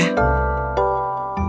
kita melakukannya bintangku